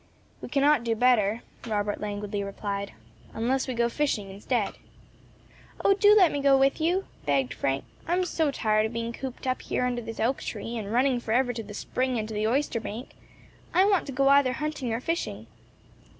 "We cannot do better," Robert languidly replied, "unless we go fishing instead." "O, do let me go with you," begged Frank. "I am so tired of being cooped up here under this oak tree, and running for ever to the spring and to the oyster bank. I want to go either hunting or fishing."